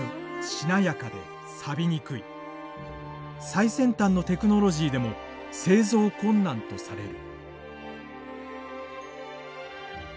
最先端のテクノロジーでも製造困難とされる。